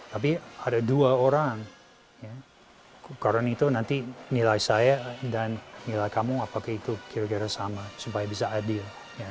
tapi ada dua orang karena itu nanti nilai saya dan nilai kamu apakah itu kira kira sama supaya bisa adil